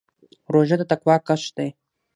روژه د تقوا کښت دی.